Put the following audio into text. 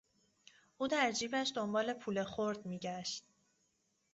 او در جیبش دنبال پول خرد میگشت.